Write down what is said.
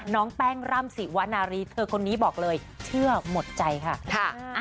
น้องแป้งร่ำสิวนารีเธอคนนี้บอกเลยเชื่อหมดใจค่ะ